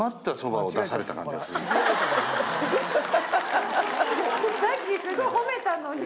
さっきすごい褒めたのに。